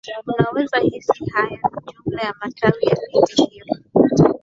Unaweza hisi nayo ni jumla ya matawi ya miti hiyo